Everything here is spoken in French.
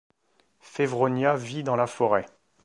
Fevronia vit dans la forêt.